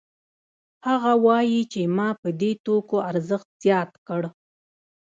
هغه وايي چې ما په دې توکو ارزښت زیات کړ